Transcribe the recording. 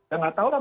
ya nggak tahu lah